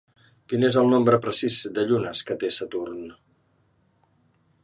Quin és el nombre precís de llunes que té Saturn?